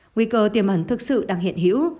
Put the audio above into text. nguy cơ tiềm hẳn thực sự đang hiện hữu